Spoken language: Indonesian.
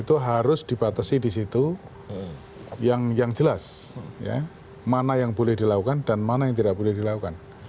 itu harus dibatasi di situ yang jelas mana yang boleh dilakukan dan mana yang tidak boleh dilakukan